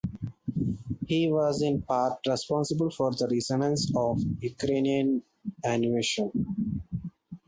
He was in part responsible for the renaissance of Ukrainian animation.